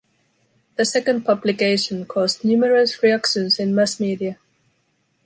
The second publication caused numerous reactions in mass media.